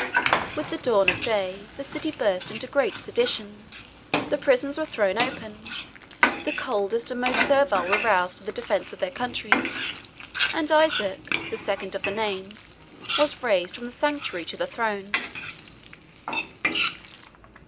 With the dawn of day the city burst into a general sedition, the prisons were thrown open, the coldest and most servile were roused to the defence of their country, and Isaac, the second of the name, was raised from the sanctuary to the throne.